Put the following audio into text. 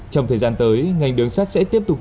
trong thời gian tới ngành đường sắt sẽ tiếp tục